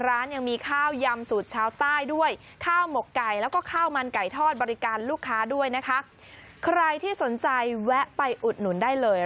ลูกค้าด้วยนะคะใครที่สนใจแวะไปอุดหนุนได้เลย